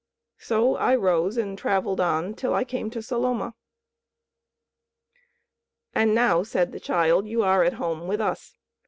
So I rose and travelled on till I came to Saloma." "And now," said the child, "you are at home with us.